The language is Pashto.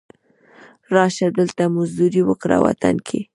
را شه، دلته مزدوري وکړه وطن کې